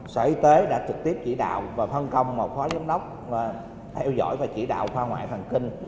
sở y tế đã trực tiếp chỉ đạo và phân công một phó giám đốc theo dõi và chỉ đạo khoa ngoại thần kinh